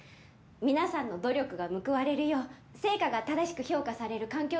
皆さんの努力が報われるよう成果が正しく評価される環境作りに参りました